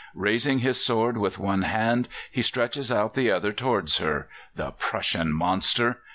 Raising his sword with one hand, he stretches out the other towards her the Prussian monster!